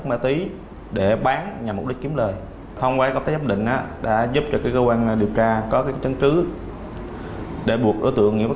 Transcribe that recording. mà thường được các đối tượng